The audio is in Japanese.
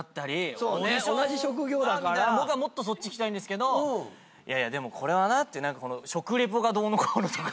みたいな僕はもっとそっち聞きたいんですけど「いやいやでもこれはな」って食リポがどうのこうのとか。